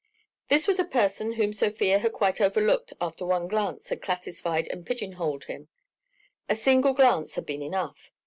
This was a person whom Sofia had quite overlooked after one glance had classified and pigeon holed him. A single glance had been enough.